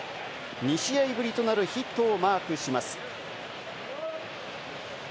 ２試合ぶりとなるヒットをマークします。